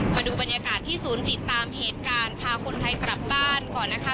มาดูบรรยากาศที่ศูนย์ติดตามเหตุการณ์พาคนไทยกลับบ้านก่อนนะคะ